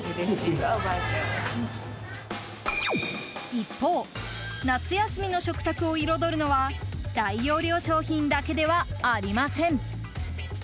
一方、夏休みの食卓を彩るのは大容量商品だけではありません。